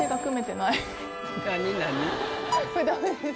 これダメです